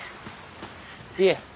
いえ。